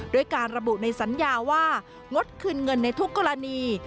ด้วยการระบุในสัญญาว่างดคืนเงินในทุกกรณี